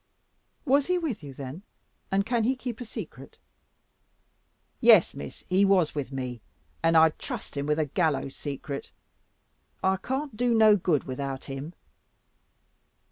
"Was he with you then? And can he keep a secret?" "Yes, Miss, he was with me, and I'd trust him with a gallows secret. I can't do no good without him."